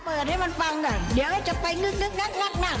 เปิดให้มันฟังซะเดี๋ยวจะไปงึกนัก